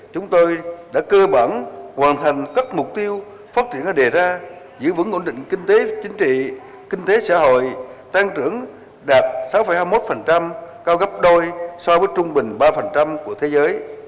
chúng tôi đã cơ bản hoàn thành các mục tiêu phát triển đã đề ra giữ vững ổn định kinh tế chính trị kinh tế xã hội tăng trưởng đạt sáu hai mươi một cao gấp đôi so với trung bình ba của thế giới